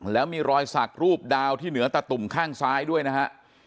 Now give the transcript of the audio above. แล้วมีรอยสักรูปดาวที่เหนือตะตุ่มข้างซ้ายด้วยนะฮะ